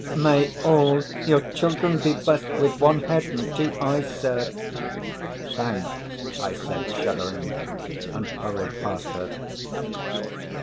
"May all your children be blessed with one head and two eyes, sir." "Thanks," I said, shuddering, and hurried past her.